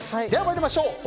では参りましょう。